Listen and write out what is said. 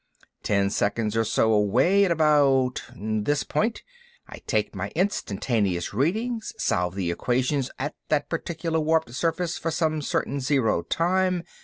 Ten seconds or so away, at about this point, I take my instantaneous readings, solve the equations at that particular warped surface for some certain zero time...."